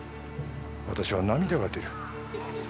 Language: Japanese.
私は涙が出る。